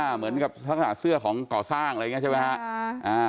เหมือนกับภาษาเสื้อของก่อสร้างอะไรอย่างเงี้ยใช่ไหมฮะอ่า